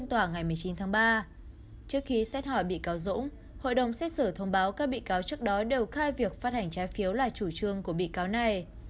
trước khi xét hỏi bị cáo dũng hội đồng xét xử thông báo các bị cáo trước đó đều khai việc phát hành trái phiếu là chủ trương của bị cáo này